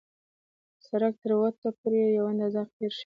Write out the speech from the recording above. سړک تر وټه پورې یو اندازه قیر شوی.